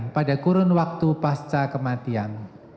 pada kurun waktu pasca kematian